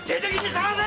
探せ‼